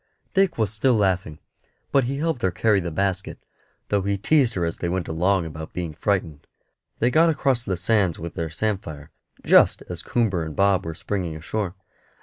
Dick was still laughing, but he helped her carry the basket, though he teased her as they went along about being frightened. They got across the sands with their samphire, just as Coomber and Bob were springing ashore.